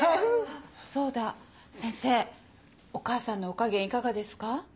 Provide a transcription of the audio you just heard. そうだ先生お母さんのお加減いかがですか？